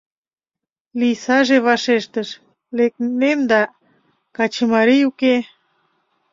Лийсаже вашештыш: «Лекнем да, качымарий уке».